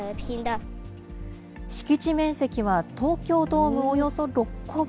敷地面積は東京ドームおよそ６個分。